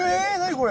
これ。